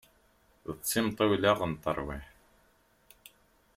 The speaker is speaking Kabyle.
D timṭiwla n terwiḥt.